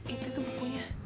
itu tuh bukunya